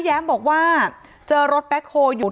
ที่มีข่าวเรื่องน้องหายตัว